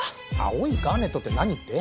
『青いガーネット』って何って？